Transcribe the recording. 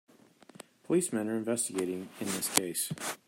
Policemen are investigating in this case.